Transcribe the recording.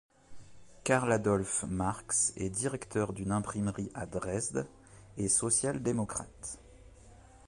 Carl Adolf Marks est directeur d'une imprimerie à Dresde et social-démocrate.